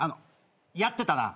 やってたな。